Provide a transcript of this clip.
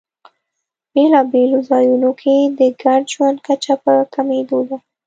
بېلابېلو ځایونو کې د ګډ ژوند کچه په کمېدو ده.